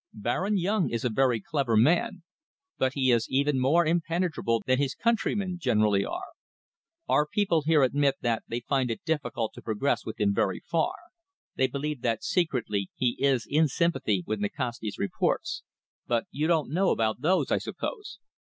Baron Yung is a very clever man, but he is even more impenetrable than his countrymen generally are. Our people here admit that they find it difficult to progress with him very far. They believe that secretly he is in sympathy with Nikasti's reports but you don't know about those, I suppose?"